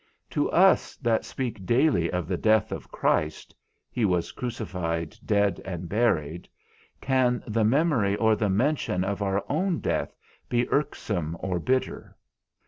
To us that speak daily of the death of Christ (he was crucified, dead, and buried), can the memory or the mention of our own death be irksome or bitter?